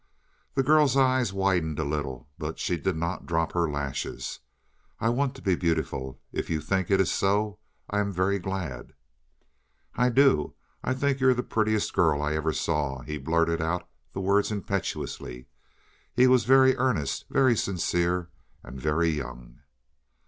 The girl's eyes widened a little, but she did not drop her lashes. "I want to be beautiful; if you think it is so, I am very glad." "I do. I think you're the prettiest girl I ever saw." He blurted out the words impetuously. He was very earnest, very sincere, and very young.